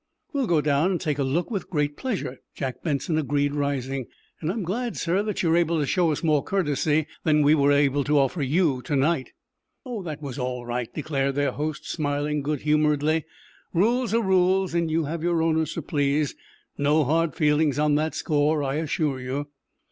"We'll go down and take a look with great pleasure," Jack Benson agreed, rising. "And I'm glad, sir, that you're able to show us more courtesy than we were able to offer you to night." "Oh, that was all right," declared their host, smiling good humoredly. "Rules are rules, and you have your owners to please. No hard feelings on that score, I assure you."